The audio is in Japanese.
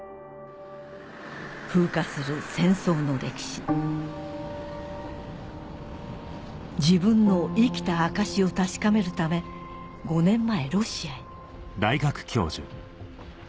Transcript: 風化する戦争の歴史自分の生きた証しを確かめるため５年前